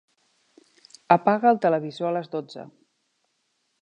Apaga el televisor a les dotze.